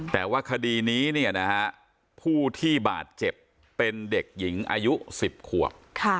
แต่ว่าคดีนี้ผู้ที่บาดเจ็บเป็นเด็กหญิงอายุ๑๐ขวบ